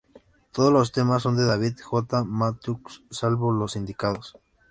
Todos los temas son de David J. Matthews, salvo los indicados.